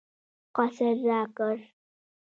قصر راکړ.